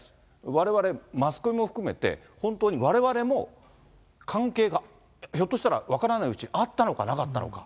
われわれマスコミも含めて、本当にわれわれも、関係がひょっとしたら、分からないうち、あったのかなかったのか。